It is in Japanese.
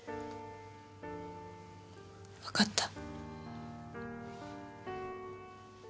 わかった。